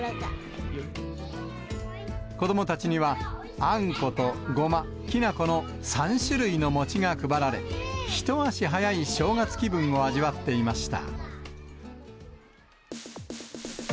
子どもたちには、あんことごま、きな粉の３種類の餅が配られ、一足早い正月気分を味わっていました。